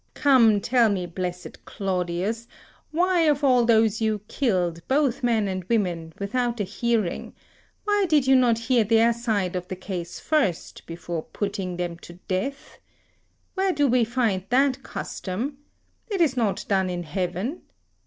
Come tell me, blessed Claudius, why of all those you killed, both men and women, without a hearing, why you did not hear their side of the case first, before putting them to death? Where do we find that custom? It is not done in heaven.